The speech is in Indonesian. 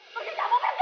pergi kamu pergi